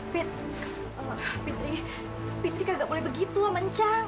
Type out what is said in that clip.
pit pitri pitri kagak boleh begitu sama cang